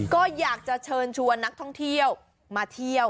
ก็อยากจะเชิญชวนนักท่องเที่ยวมาเที่ยว